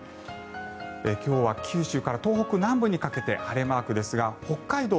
今日は九州から東北南部にかけて晴れマークですが北海道